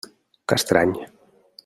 Que estrany.